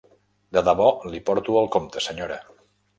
De debò li porto el compte, senyora.